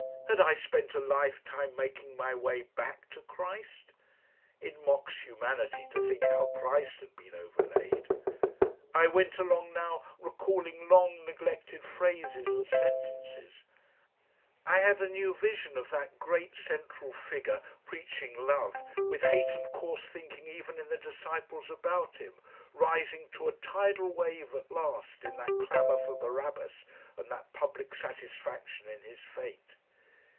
Had I spent a lifetime making my way back to Christ? It mocks humanity to think how Christ has been overlaid. I went along now, recalling long neglected phrases and sentences; I had a new vision of that great central figure preaching love with hate and coarse thinking even in the disciples about Him, rising to a tidal wave at last in that clamour for Barabbas, and the public satisfaction in His fate....